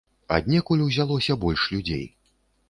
Аднекуль узялося больш людзей.